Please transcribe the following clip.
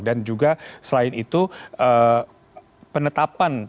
juga selain itu penetapan